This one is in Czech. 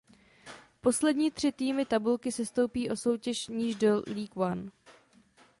Poslední tři týmy tabulky sestoupí o soutěž níž do League One.